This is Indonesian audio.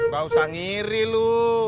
gak usah ngiri lo